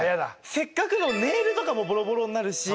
せっかくのネイルとかもボロボロになるし。